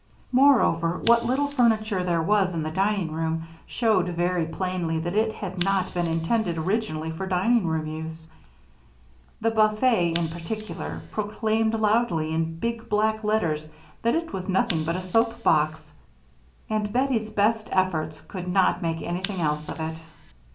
Moreover, what little furniture there was in the dining room showed very plainly that it had not been intended originally for dining room use; the buffet, in particular, proclaimed loudly in big black letters that it was nothing but a soap box, and Bettie's best efforts could not make anything else of it.